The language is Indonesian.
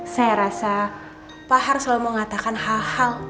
saya rasa pak har selalu mengatakan hal hal